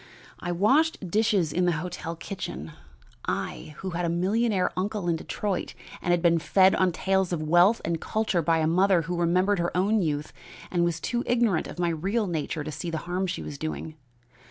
I washed dishes in the hotel kitchen I who had a millionaire uncle in Detroit and had been fed on tales of wealth and culture by a mother who remembered her own youth and was too ignorant of my real nature to see the harm she was doing.